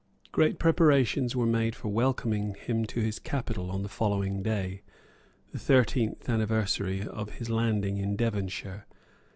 Great preparations were made for welcoming him to his capital on the following day, the thirteenth anniversary of his landing in Devonshire.